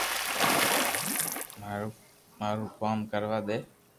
مارو مارو ڪوم ڪروا دي